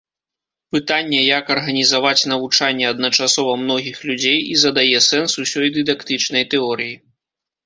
Пытанне, як арганізаваць навучанне адначасова многіх людзей, і задае сэнс усёй дыдактычнай тэорыі.